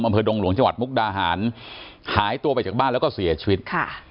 อำเภอดงหลวงชาวัดมุกดาหารหายตัวไปจากบ้านแล้วก็เสียชีวิต